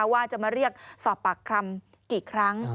ว่าจะมาเรียกสอบปากคำกี่ครั้ง